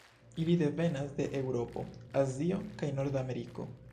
Ili devenas de Eŭropo, Azio, kaj Nordameriko.